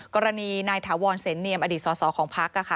กรณีนายถาวรเศรษฐ์เนียมอดีตสอของภักดิ์